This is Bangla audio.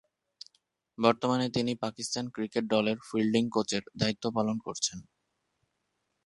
বর্তমানে তিনি পাকিস্তান ক্রিকেট দলের ফিল্ডিং কোচের দায়িত্ব পালন করছেন।